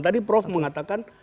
tadi prof mengatakan